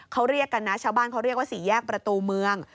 เขาเรียกกันนะชาวบ้านเขาเรียกว่าสี่แยกประตูเมือง